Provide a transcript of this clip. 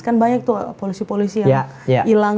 kan banyak tuh polisi polisi yang hilang